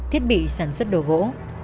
thiết bị sản xuất đồ gỗ